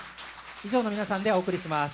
以上の皆さんでお送りします。